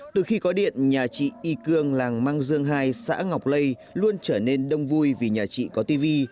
từ khi có điện nhà chị y cương làng mang dương hai xã ngọc lây luôn trở nên đông vui vì nhà chị có tv